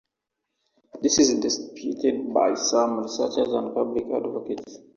This is disputed by some researchers and public advocates.